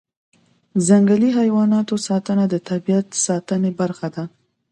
د ځنګلي حیواناتو ساتنه د طبیعت ساتنې برخه ده.